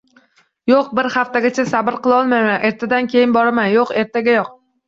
Yoʻq, bir haftagacha sabr qilolmayman… Ertadan keyin boraman… Yoʻq, ertagayoq!